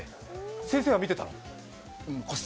先生は見てたの？